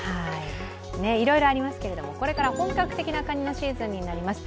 いろいろありますけれども、これから本格的なかにのシーズンになります。